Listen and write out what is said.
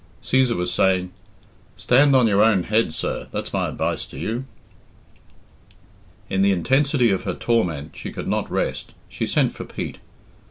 Cæsar was saying "Stand on your own head, sir, that's my advice to you." In the intensity of her torment she could not rest. She sent for Pete.